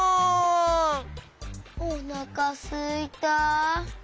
おなかすいた。